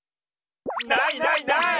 ないないない。